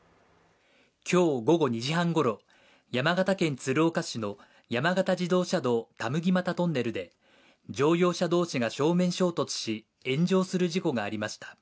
今日午後２時半ごろ山形県鶴岡市の山形自動車道田麦俣トンネルで乗用車同士が正面衝突し、炎上する事故がありました。